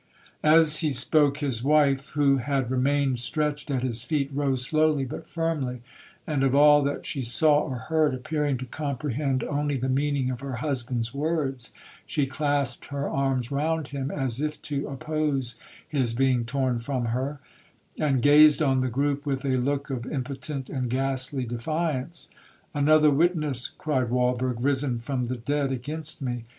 'As he spoke, his wife, who had remained stretched at his feet, rose slowly but firmly; and, of all that she saw or heard, appearing to comprehend only the meaning of her husband's words, she clasped her arms round him, as if to oppose his being torn from her, and gazed on the groupe with a look of impotent and ghastly defiance. 'Another witness,' cried Walberg, 'risen from the dead against me?